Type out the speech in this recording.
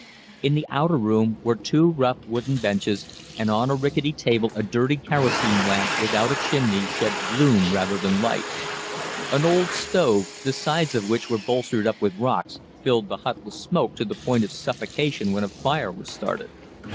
In the outer room were two rough wooden benches, and on a rickety table a dirty kerosene lamp without a chimney shed gloom rather than light. An old stove, the sides of which were bolstered up with rocks, filled the hut with smoke to the point of suffocation when a fire was started.